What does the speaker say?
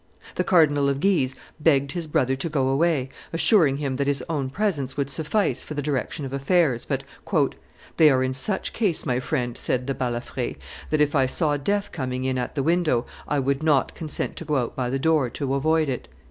The Cardinal of Guise begged his brother to go away, assuring him that his own presence would suffice for the direction of affairs: but, "They are in such case, my friend," said the Balafre, "that, if I saw death coming in at the window, I would not consent to go out by the door to avoid it."